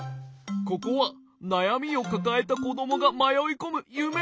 ここはなやみをかかえたこどもがまよいこむゆめのせかいさ！